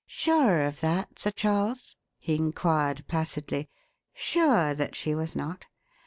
"Sure of that, Sir Charles?" he inquired placidly. "Sure that she was not?